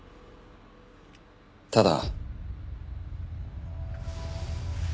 ただ。